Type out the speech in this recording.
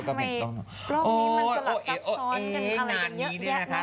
ทำไมรอบนี้มันสลัดซับซ้อนกันอะไรกันเยอะ